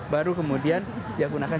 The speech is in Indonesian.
baru kemudian dia gunakan